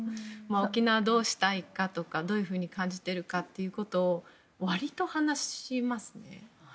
沖縄どうしたいかとかどういうふうに感じているかということを割と話しますね。